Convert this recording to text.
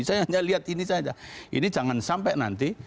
saya hanya lihat ini saja ini jangan sampai nanti